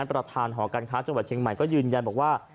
ประทานหอการค้าจังหวัดเชียงใหม่เงินแจนว่า